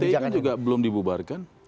tapi kan juga belum dibubarkan